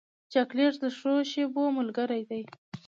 چاکلېټ د ښو شېبو ملګری دی.